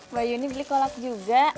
mbak yuni beli kolak juga